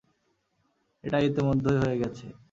এটা ইতোমধ্যেই হয়ে গেছে?